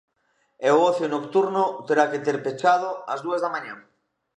E o ocio nocturno terá que ter pechado ás dúas da mañá.